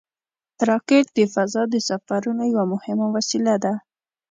راکټ د فضا د سفرونو یوه مهمه وسیله ده